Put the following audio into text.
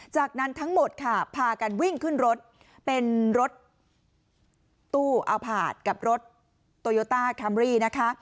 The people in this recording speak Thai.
จากนั้นทั้งหมดค่ะพากันวิ่งขึ้นรถเป็นรถตู้อัลพาร์ทกับรถโตโยต้าคัมรี่นะคะ